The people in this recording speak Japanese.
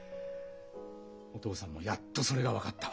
お父さんもやっとそれが分かった。